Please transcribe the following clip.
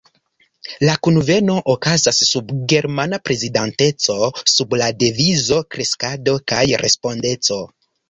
La kunveno okazas sub germana prezidanteco sub la devizo „kreskado kaj respondeco“.